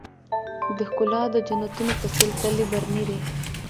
د ښــــــــکلا د جنــــــتونو په ســـــــېل تللـــــــی برنی دی